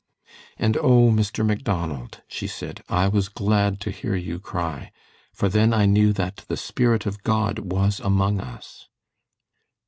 "And, O, Mr. Macdonald," she said, "I was glad to hear you cry, for then I knew that the Spirit of God was among us."